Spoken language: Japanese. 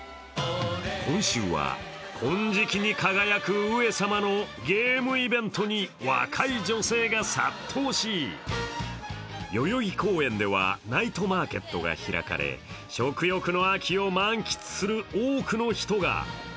今週は金色に輝く上様のゲームイベントに若い女性が殺到し代々木公園ではナイトマーケットが開かれ食欲の秋を満喫する多くの人が。